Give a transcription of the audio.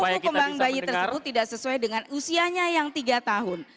pelaku kembang bayi tersebut tidak sesuai dengan usianya yang tiga tahun